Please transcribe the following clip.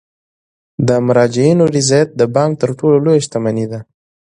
د مراجعینو رضایت د بانک تر ټولو لویه شتمني ده.